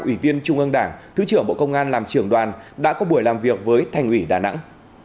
ủy viên trung ương đảng thứ trưởng bộ công an làm trưởng đoàn đã có buổi làm việc với thành ủy đà nẵng